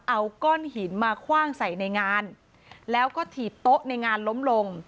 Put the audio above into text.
เอาก้อนหินมาคว่างใส่ในงานแล้วก็ถีบโต๊ะในงานล้มลง